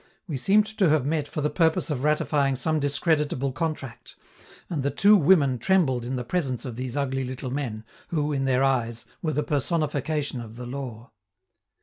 We seemed to have met for the purpose of ratifying some discreditable contract, and the two women trembled in the presence of these ugly little men, who, in their eyes, were the personification of the law.